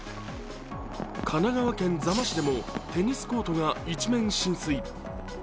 神奈川県座間市でもテニスコートが一面浸水。